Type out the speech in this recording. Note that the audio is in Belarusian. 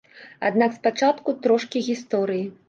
Аднак спачатку трошкі гісторыі.